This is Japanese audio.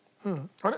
あれ？